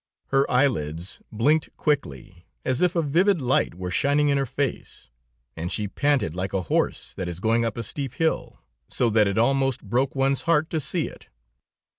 Her eyelids blinked quickly, as if a vivid light were shining in her face, and she panted like a horse that is going up a steep hill, so that it almost broke one's heart to see it.